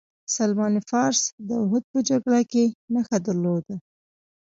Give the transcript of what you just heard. سلمان فارسي داوحد په جګړه کې نښه درلوده.